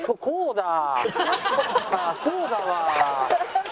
こうだわ。